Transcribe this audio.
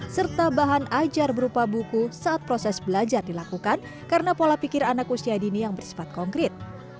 serta bahan ajar berupa buku saat proses belajar dilakukan karena pola pikir anak usia dini yang bersifat konkret